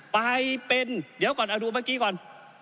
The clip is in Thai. ไปเป็นเดี๋ยวก่อนเอาดูเมื่อกี้ก่อน